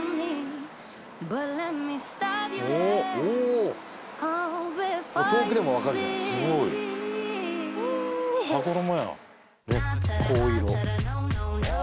おおっおおっ遠くでもわかるじゃないすごい羽衣やん香色あ